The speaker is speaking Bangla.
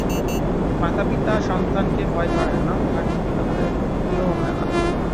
মাতাপিতা সন্তানকে ভয় করেন না, তাহার প্রতি তাঁহাদের ভক্তিও হয় না।